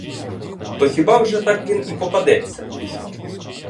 Та хіба вже так він і попадеться?